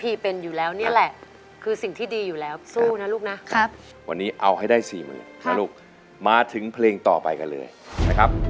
หอบถูกนะลูกนะวันนี้เอาให้ได้๔๐๐๐๐ลุคมาถึงเพลงต่อไปกันเลยนะครับ